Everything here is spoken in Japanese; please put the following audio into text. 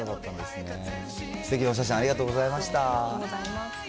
すてきなお写真、ありがとうありがとうございます。